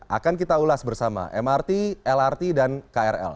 akan kita ulas bersama mrt lrt dan krl